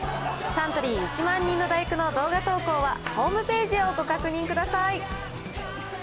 サントリー１万人の第九の動画投稿はホームページをご確認ください。